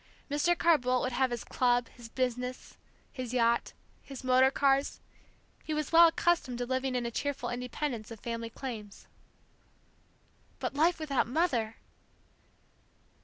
Mr. Carr Boldt would have his club, his business, his yacht, his motor cars, he was well accustomed to living in cheerful independence of family claims. But life without Mother